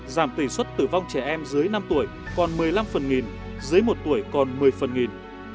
giảm tỷ suất tử vong trẻ em dưới năm tuổi còn một mươi năm phần nghìn dưới một tuổi còn một mươi phần nghìn